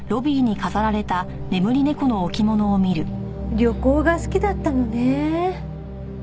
旅行が好きだったのね。